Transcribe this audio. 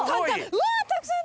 うわたくさん。